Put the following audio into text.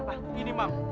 enggak enggak enggak